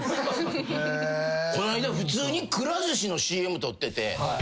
こないだ普通にくら寿司のＣＭ撮ってて。